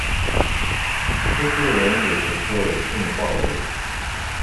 This rearranges to Schur's inequality.